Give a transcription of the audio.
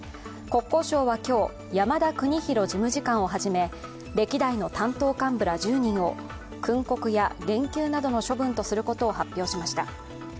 国交省は今日、山田邦博事務次官をはじめ歴代の担当幹部ら１０人を訓告や減給などの処分とすることを発表しました。